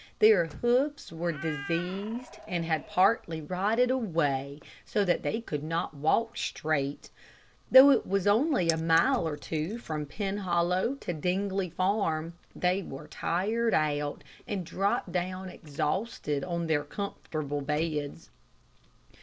Their hoofs were diseased, and had partly rotted away, so that they could not walk straight. Though it was only a mile or two from Penhollow to Dingley Farm, they were tired out, and dropped down exhausted on their comfortable beds.